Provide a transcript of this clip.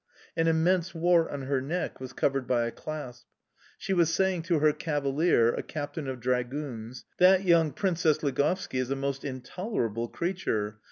An immense wart on her neck was covered by a clasp. She was saying to her cavalier, a captain of dragoons: "That young Princess Ligovski is a most intolerable creature!